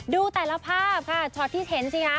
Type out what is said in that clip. ดูแต่ละภาพค่ะช็อตที่เห็นสิคะ